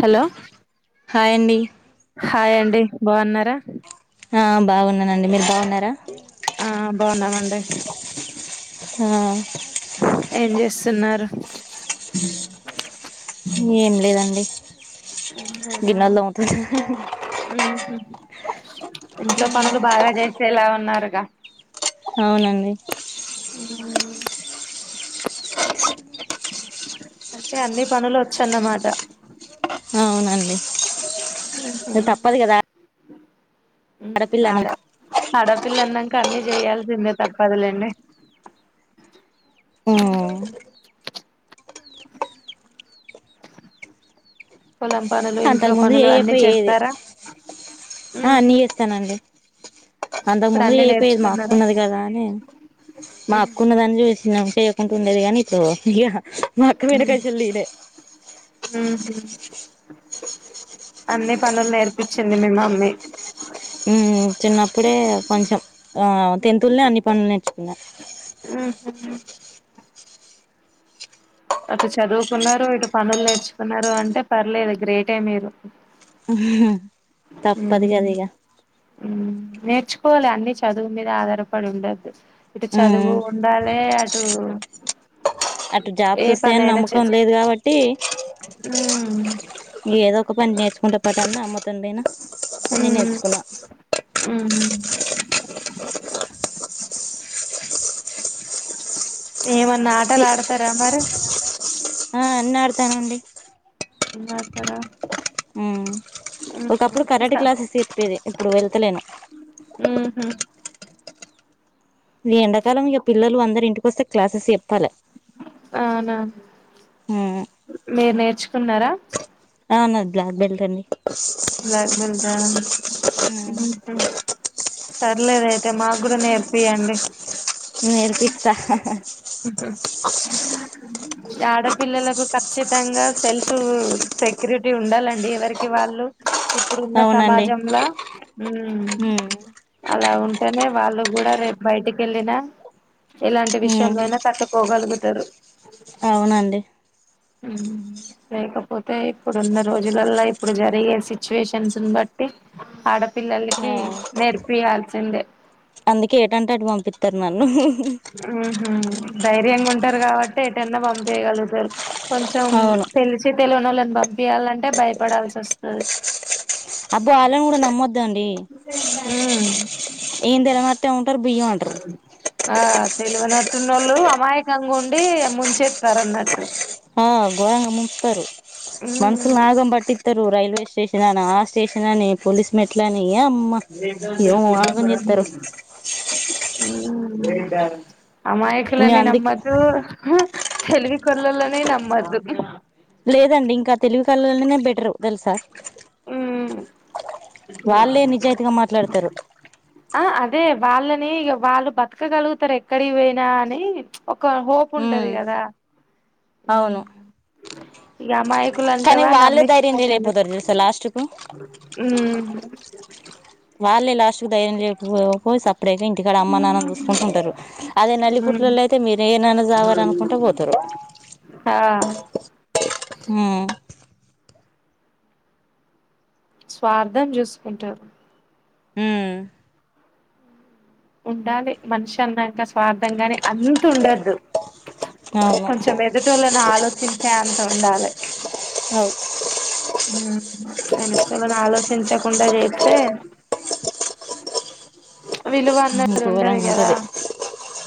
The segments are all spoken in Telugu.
హలో హాయండి హాయ్ అండి బాగున్నారా హా బాగున్నానండి మీరు బాగున్నారా ఆ బాగున్నామండి హా ఏం చేస్తున్నారు ఏం లేదండి ఏం లేేదా గిన్నెలు తోముతున్నా ఉంహు ఇంట్లో పనులు బాగా చేసేలా ఉన్నారుగా అవునండి ఉమ్ అంటే అన్ని పనులు వచన్నమాట హ్ అవునండి ఇగ తప్పదు కదా ఉమ్ ఆడపిల్ల ఆడ నాకు ఆడపిల్ల అన్నక్ న్నాకా అన్ని చేయాల్సిందే తప్పదులేండి ఆ పొలం పనులు ఇంట్లో అంతకు ముందు పనులు అన్ని ఏయాకపోయేది చేస్తారా ఆ ఉహు అన్ని చేస్తానండి అంతకు ఇప్పుడు ముందు అన్ని చేయకపోయేది నేర్చుకున్నారా మాకున్నది కదా అని మా అక్క ఉహు ఉన్నదని చేసినక చేయకుండా ఉండేది కానీ ఇట్లో ఇక మా అక్క మీద కసిదే హ్మ హ్మ అన్ని పనులు నేర్పించింది మి మమ్మీ ఉమ్ చిన్నప్పుడే కొంచెం ఆ తెంతులల్నే అన్ని పనులు నేర్చుకున్నా హ్మ్ హ్మ అటు చదువుకున్నారు ఇటు పనులు నేర్చుకున్నారు అంటే పర్లేదు గ్రేటే మీరు హ్మ తప్పదు కదా ఇక హ్మ హ్మ నేర్ చ్చుకోవాలి అండి చదువు మీద ఆధారపడి ఉండదు ఇటు చదువు ఉమ్ ఉండాలి టూ అటు జాబ్స్ వస్తాయని నమ్మకం లేదు కాబట్టి మ్మ్ ఏదో ఒక పని నేర్చుకుంట్ పట్టంద అమ్మ తోనైనా అన్ని మ్మ్ నేర్చుకున్న మ్మ్ ఏమన్నా ఆటలు ఆడతారా మరి ఆ అన్నా అంటానండి. ఉన్నా అంటారా? [unintelligible] హ్మ్! ఒకప్పుడు కరాటె క్లాసెస్ చెప్పేది. ఇప్పుడు వెళ్తలేను. మ్ హు. ఈ ఎండాకాలం ఇక పిల్లలు అందరూ ఇంటికివస్తే క్లాసెస్ చెప్పాల. అవునా? ఉమ్ మీరు నేర్చుకున్నారా? అవును. బ్లాక్ బెల్ట్ అండి. బ్లాక్ బెల్టా? ఉమ్ పర్లేదు అయితే మాకు కూడా నేర్పియండి. నేర్పిస్తా. హ హా. హ [unintelligible] ఆడపిల్లలకు ఖచ్చితంగా సెల్ఫ్ సెక్యూరిటీ ఉండాలండి ఎవరికి వారు. వాళ్ళు ఇప్పుడున్న అవునండి సమాజంలా మ్ ఉమ్ అలా ఉంట. అంటనే వాళ్ళు కూడా రేపు బయటికి వెళ్ళిన ఎలాంటి విషయంలో ఉమ్ అయినా తట్టుకోగలుగు ఇద్దరూ అవునండి హ్మ్. లేకపోతే ఇప్పుడు ఉన్న రోజులలో, ఇప్పుడు జరిగే సిచ్యువేషన్స్ బట్టి ఆడ ఆ పిల్లలకి నేర్పియాల్సిందే. అందుకే ఎటంటే అటు పంపిస్తారు నన్ను. ఉహు ధైర్యంగా ఉంటారు కాబట్టి, ఎటన్నా పంపీ యగలుగుతారు కొంచెం అవును తెలిసె తెలవని వాళ్ళని పంపియాలంటే భయపడాల్సి వస్తాది. అప్పుడు వాళ్ళని. కూడా నమ్మొద్దు అండి. తర్ ఏం తెలవనట్టే ఉంటారు బియ్యం అంటారు. ఆ తెలివనట్టుఉన్నోళ్ళు అమాయకంగా ఉండి ముంచేస్తారున్నట్టు. ఆ గోరంగా ముంచుతారు. ఉమ్ మనుషులును ఆగం బట్టిత్తారు. రైల్వే స్టేషన్ అని, ఆ స్టేషన్ అని, పోలీస్ మెట్లని. దియమ్మ ఏమి ఆగమ్ చేస్తారో. ఇంగ అమాయకులని అందుకే నమ్మద్దు. తెలివికల్లోల్లనే. నమ్మొద్దు. లేదండి ఇంకా తెలివి కళల్లోనే బెటరు తెలుసా? వాళ్ళే ఉమ్ నిజాయితీగా మాట్లాడతారు. ఆ అదే వాళ్ళని వాళ్ళు బతకగలుగుతారు. ఎక్కడి పోయినా అని ఒక హోప్. హోప్ ఉంటది కదా? అవును. ఈ అమాయక్ కులు కానీ అంటావా వాళ్ళే ధైర్యం నమ్మించుమోసం. చేయలేకపోతారు తెలుసా లాస్ట్ కు హ్మ్. వాల్లే లాస్ట్ కు ధైర్యం చె పోయి స ఇప్పుడైతే ఇంటికాడ అమ్మ నాన్న చూసుకుంటూ ఉంటారు అదే ఉమ్ నల్లిపుూట్లలో అయితే మీర ఏ నాన్న చావాలనుకుంటే పోతారు. ఆ హ్మ్. స్వార్థం చూసుకుంటావు. హ్మ్. ఉండాలి మనిషి అన్నాక స్వార్థం కాగాని అంత్ ఉండద్దు. అవును కొంచెం ఎదుటోళ్ళను ఆలోచించే అంత ఉండాలి. వెళ్ళు. ఏదైన ఆలోచించకుండా చేస్తే ఉహు విలువన్నది ఉండదు ఘోరంగా కదా. ఉంటది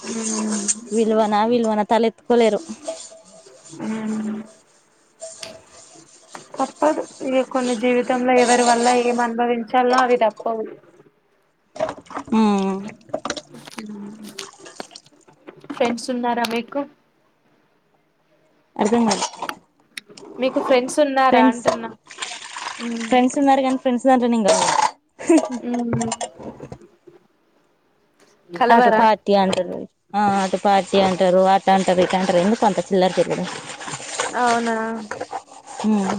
ఉమ్ విలువనా విలువనా తలెత్తుకోలేరు. మ్. అ తప్పదు ఇక కొన్ని జీవితంలో ఎవరి వల్ల ఏం అనుభవించాలో అవి తప్పవదు [inaudible] ఫ్రెండ్స్ ఉన్నారా మీకు అర్థం కాలే మీకు ఫ్రెండ్స్ ఉన్నారా అంటున్నా ఫ్రెండ్స్ ఉన్నారు కానీ ఫ్రెండ్స్ దాంట్లోనే ఇంకా ఉమ్ హు అటు కలవరా పార్టీ అంటూర్రి అటు పార్టీ అంట టారు అట అంటారు ఇటు అంటారు ఎందుకు కొంత చిల్లర జిగడం అవున హ్మ్మ్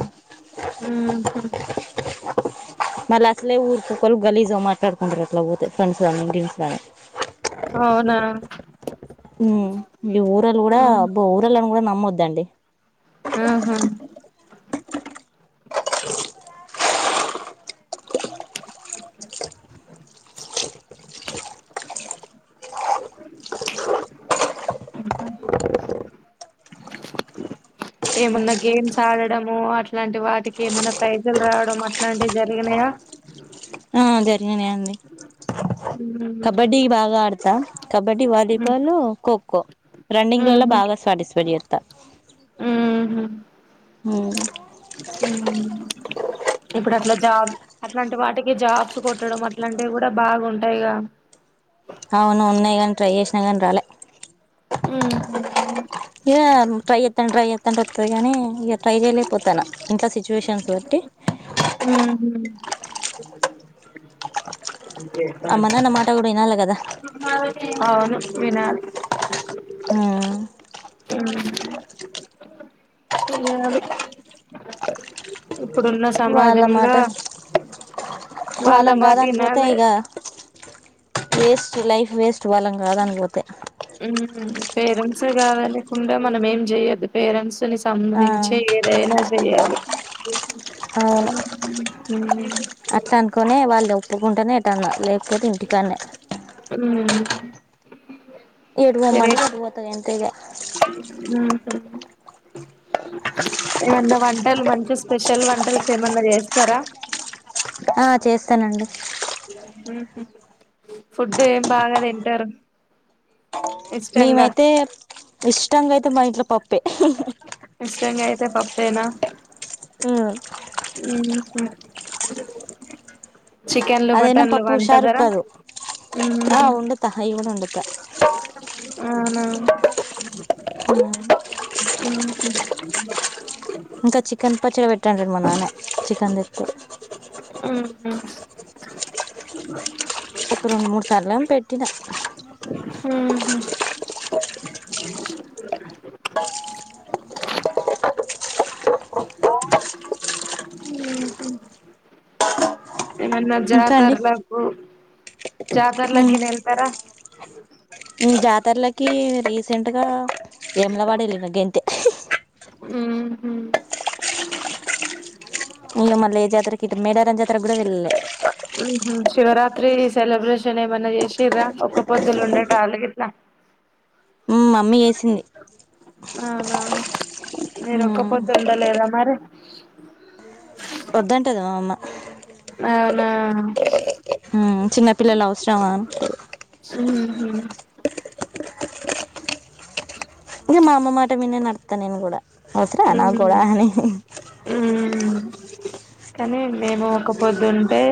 మళ్ అసలే ఊరుకొక్కల్లు గలీజ్ మాట్లాడుకుంట్ర అలా పోతే ఫ్రెంస్గాని గిమ్స్ రాని అవున ఉమ్ ఈ ఊరళ కూడా ఊరళని కూడా నమ్మద్దండి ఆహా ఆహా ఏమున్నా గేమ్స్ ఆడడము అట్లాంటి వాటికి ఏమైన్నా ప్రైజ్లు రావడం అట్లాంటివి జరిగినాయా అ ఆ జరిగినాయి అండి మ్మ్ కబడ్డీ బాగా ఆడతా కబడ్డీ హ్మ్ వాలీబాలు ఖోఖో రన్నింగ్లాల్లో మ్మ్ బాగా సాటిస్ఫైడ్ జెత్త ఉమ్ ఉమ్ ఇప్పుడు అట్లా జాబ్ అట్లాంటి వాటికి జాబ్స్ కొట్టడం అట్లాంటివి కూడా బాగుంటాయిగా [unintelligible] అవును ఉన్నాయి గానీ ట్రై చేసినా కాని రాలే ఉమ్ ఇక ట్రై చెత్తంటే ట్రై చెత్తంటే వస్తుంది గానీ ఇక ట్రై చేయలేకపోతాన ఇంట్లో సిచ్యువేషన్స్ బట్టి ఉహు అమ్మ నాన్న మాట కూడా వినాలి కదా అవును వినాల్ ఆ చెయాలి ఇప్పుడున్న సమాజంలో వాళ్ళమాట వాళ్ళ వాళ్ళను మాట కాదని పోతే వినాలి ఇగ వేస్ట్ లైఫ్ వేస్ట్ వాళ్ళని కాదని పోతే ఉహు పేరెంట్స్ కాదనకుండా మనం ఏం చెయొద్దు పేరెంట్స్ ని ఆ సంబంధించే ఏదే దైన చెయాలి అవును అట్లా అనుకునే వాళ్ళు ఒప్పుకుంటేనే ఏటన్నా లేకపోతే ఇంటికాన్నే ఉమ్ ఇడు పొమ్మంటే పోతనంతే ఇగ ఉహు ఏమన్నా వంటలు మంచి స్పెషల్ వంటలస్ ఏమన్నా చేస్తారా ఆ చేస్తానండి ఉహు ఫుడ్ ఏం బాగా తింటారు ఇష్టంగా మేమైతే ఇష్టంగా అయితే మా ఇంట్లో పప్ ఇష్టంగా అయితే పప్పేనా ఉమ్ ఉహు చికెన్లు అదైనా మటన్లు పప్పు హుషారు వంటదర కాదు ఉహు ఆ వండుతా అవి కూడా వండుతా అవున ఉమ్ ఉహు ఇంకా చికెన్ పచ్చడి పెట్టంట్ర మా నాన్న చికెన్ తెత్తే ఉ ఉ ఒక రెండు మూడు సార్లెం పెట్టిన అ [unintelligible] ఉ హు ఏమన్నా ఇంకా అండి జాతర్లకు జాతర్లగిన్ వెల్తారా న జాతర్లకి రీసెంట్ గా యములవాడ వెళ్ళిన గంతె ఉ హు మల్లా ఏ జాత్ర కి ఇటు మేడారం జాత్రకి కూడా వెళ్ళలె ఉహు శివరాత్రి సెలబ్రేషన్ ఏమన్నా చేసిర్రా ఒక్క పొద్దులు ఉండటలు గిట్లా మమ్మీ చేసింది అహ అవునా మీరు ఒక్క పొద్దుండలేదా మరి వద్దంటది మా అమ్మ అవునా చిన్నపిల్లలు అవసరమా ఉహు కా మా అమ్మ మాట మీన్నే నడతా నేను కూడా అవసరమా నాకూడా అని కానీ మేము ఒక పొద్దుంటే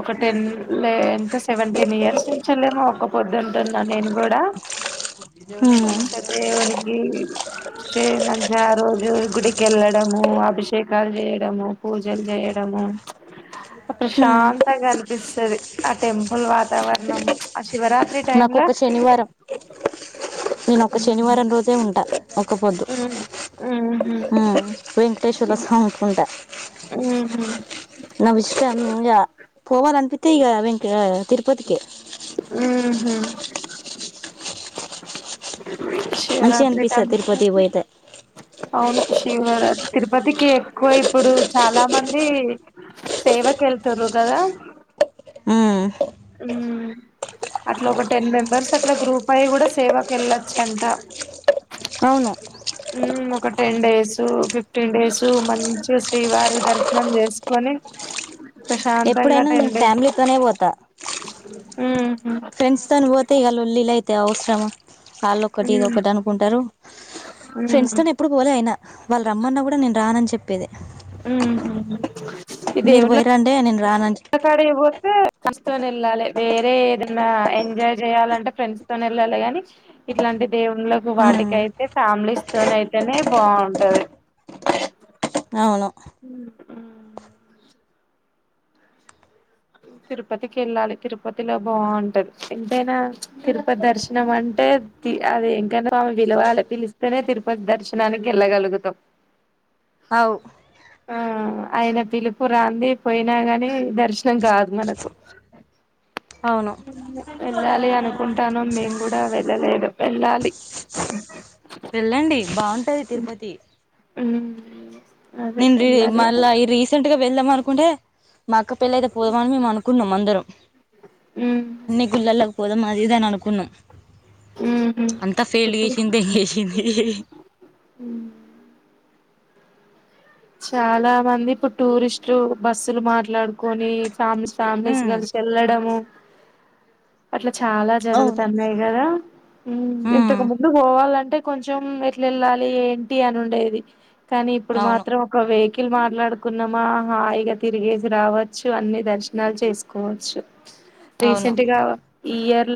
ఒక టెన్ లే ఎంట సెవెంటీన్ ఇయర్స్ నుంచలేమో ఒక్కపోద్దుంటున్నా నేను కూడా మంచ దేవునికి చేయమను రోజు గుడికి వెళ్ళడము అభిషేకాలు చేయడము పూజలు చేయడము ఉమ్. ప్రశాంతంగా అనిపిస్తుంది ఆ టెంపుల్ వాతావరణం శివరాత్రి టైమ్ నాకు లా ఒక్క శనివారం నేను ఒక శనివారం రోజే ఉంటాను ఒక్క పొద్దు ఉమ్ వెంకటేశ్వర ఉహు స్వామికి ఉంటా ఉహు నవ్ ఇష్ట పోవాల అన్పితే ఇంకా తిరుపతికి ఉహు మంచిగా శివరాత్రి అనిపిస్తాది తిరుపతి తర్వాత పోయితే అవును శివ తిరుపతికి ఎక్కువ ఇప్పుడు చాలా మంది సేఫ్ ఇవకెళ్తరుగదా ఉ ఉ అట్లా ఒక టెన్ మెంబర్స్ అట్లా గ్రూప్ అయ్యి కూడా సేవాకి వెళ్ళొచ్చ అంట అవును ఒక టెన్ డేస్ ఫిఫ్టీన్ డేస్ మంచి శ్రీవారి దర్శనం చేసుకొని ప్రశాంతంగా ఎప్పుడైనా ఫ్యామిలీతోనే పోత ఉ ఫ్రెండ్స్ తా పోతే ఈ ఒల్ల అయితే అఔస్రమ కాళ్ళుొక్కటి ఉ ఇదిొ ఒకటి అనుకుంటారు ఫ్రెండ్స్ ఉహు తో ఎప్పుడు పోలే అయినా వాళ్ళు రమన్నా కూడా నేను రానని చెప్పను ఉ మీరు పోయిరాండి నేను రానని గుల్ల కాడికి పోతే స్ తని వెళ్ళాలి వేరే ఏదన్నా ఎంజాయ్ చేయాలంటే ఫ్రెండ్స్ తోని వెళ్ళాలి గాని ఇట్లాంటి దేవుళ్లకు ఉమ్ వాటికయితే ఫ్యామిలీ స్టోన్ అయితేనే బాగుంటది అవును తిరుపతికి వెళ్ళాలి తిరుపతిలో బాగుంటది ఎంతైనా తిరుపతి దర్శనం అంటే అంటే అద ఏంకంట ఆమె విలువాల పిలిస్తేనే తిరుపతి దర్శనానికి వెళ్ళగలుగుతాం అవు ఆ ఆయన పిలుపు రాంది పోయినా గాని దర్శనం నం కాదు మనకు అవును వెళ్ళాలి అనుకుంటాను మేము కూడా వెళ్ళలేదు వెళ్ళాలి వెళ్ళండి బాగుంటాది తిరుపతి హ్మ్ నేను ర మళ్ళా ఈ రీసెంట్ గా వెళ్దాం అనుకుంటే మా అక్క పెళ్ల అయితే పోదామని మేము అనుకుంటున్నాం అందరం ఉమ్ అన్నిగుల్లాల్లా కీ పోదాము అది ఇది అనుకున్నాము ఉహు అంతా ఫెయిల్ చేసింది ఇం చేసింది అ చాలా మంది ఇప్పుడు టూరిస్టులు బస్సులు మాట్లాడుకొని ఫ్యా ఫ్యామిలీస్ ఉమ్ కలిసి వెళ్లడ అట్లా చాలా అవును జరుగుతున్నాయి కదా ఉమ్ ఇంతకు ముందు పోవాలంటే అంటే కొంచెం ఎట్లా వెళ్ళాలి ఏంటి అని ఉండేది కానీ ఇప్పుడు మా అవును వెహికల్ మాట్లాడుకున్నామా హాయిగా తిరిగేసి రావచ్చు అన్ని దర్శనాలు చేసుకోవచ్చు అవును రీసెంట్ గా ఇ ఇయర్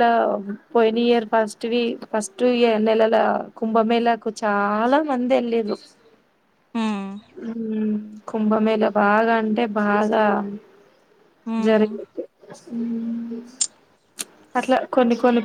పోయి ఇయర్ ఫస్ట్ ఫస్ట్ నెలల కుంభమేళకు చాలా చాలా మంద ఎల్లిండ్రు ఉమ్ కుంభమేళ బాగా అంటే బాగా ఉమ్ జరిగింది అట్లా కొన్ని కొన్ని